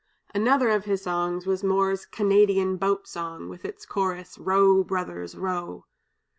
Another of his songs was Moore's "Canadian Boat Song," with its chorus, "Row brothers, row."